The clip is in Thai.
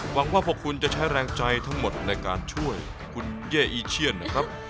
หวังว่าพวกคุณจะใช้แรงใจทั้งหมดในการช่วยคุณเย่อีเชียนนะครับ